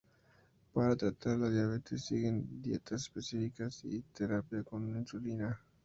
Para tratar la diabetes siguen dietas específicas y terapia con insulina.